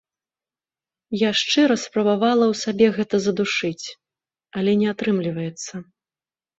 Я шчыра спрабавала ў сабе гэта задушыць, але не атрымліваецца.